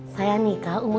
saya nikah umur sembilan belas